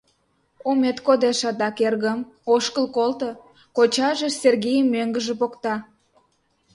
— Омет кодеш адак, эргым, ошкыл колто! — кочаже Сергейым мӧҥгыжӧ покта.